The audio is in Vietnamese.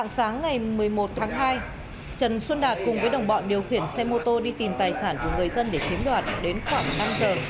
sáng ngày một mươi một tháng hai trần xuân đạt cùng với đồng bọn điều khiển xe mô tô đi tìm tài sản của người dân để chiếm đoạt đến khoảng năm giờ